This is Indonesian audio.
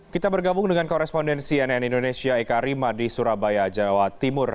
kita bergabung dengan korespondensi nn indonesia eka rima di surabaya jawa timur